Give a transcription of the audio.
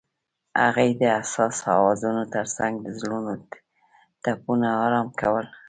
هغې د حساس اوازونو ترڅنګ د زړونو ټپونه آرام کړل.